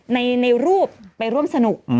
ในรูปไปร่วมสนุก